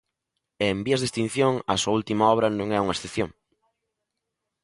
E En vías de extinción, a súa última obra, non é unha excepción.